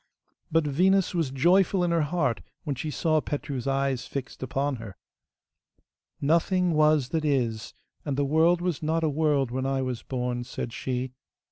But Venus was joyful in her heart when she saw Petru's eyes fixed upon her. 'Nothing was that is, and the world was not a world when I was born,' said she.